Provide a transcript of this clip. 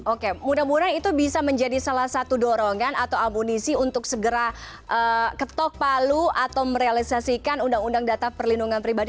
oke mudah mudahan itu bisa menjadi salah satu dorongan atau amunisi untuk segera ketok palu atau merealisasikan undang undang data perlindungan pribadi